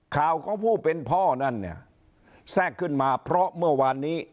ข่าวของผู้เป็นพ่อนั่นเนี่ยแทรกขึ้นมาเพราะเมื่อวานนี้